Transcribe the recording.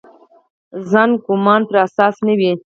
ظن ګومان پر اساس نه وي.